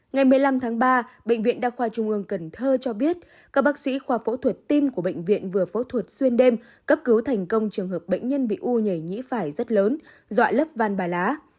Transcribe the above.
ngày một mươi năm tháng ba bệnh viện đa khoa trung ương cần thơ cho biết các bác sĩ khoa phẫu thuật tim của bệnh viện vừa phẫu thuật xuyên đêm cấp cứu thành công trường hợp bệnh nhân bị u nhảy nhĩ phải rất lớn dọa lấp van bà lá